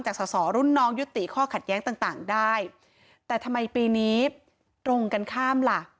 สอสอรุ่นน้องยุติข้อขัดแย้งต่างต่างได้แต่ทำไมปีนี้ตรงกันข้ามล่ะ